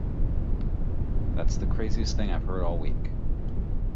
That's the craziest thing I've heard all week.